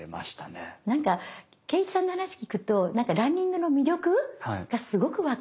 何か敬一さんの話聞くとランニングの魅力がすごく分かる。